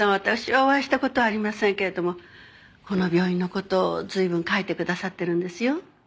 私はお会いした事はありませんけれどもこの病院の事を随分書いてくださってるんですよ。